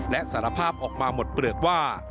และสารภาพออกมาหมดเปลือกว่า